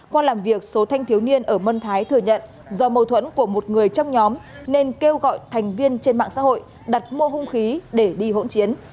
qua làm việc số thanh thiếu niên ở mân thái thừa nhận do mâu thuẫn của một người trong nhóm nên kêu gọi thành viên trên mạng xã hội đặt mua hung khí để đi hỗn chiến